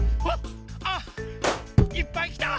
あっいっぱいきた。